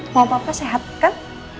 mau apa apa sehat kan